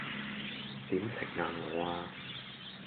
點食硬我呀?